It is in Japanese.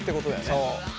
そう。